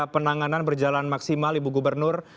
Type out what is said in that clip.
penanganan berjalan maksimal ibu gubernur